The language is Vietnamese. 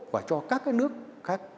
và cho các cái nước khác